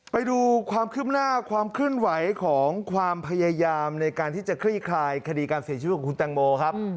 ไปดูความคืบหน้าความเคลื่อนไหวของความพยายามในการที่จะคลี่คลายคดีการเสียชีวิตของคุณแตงโมครับ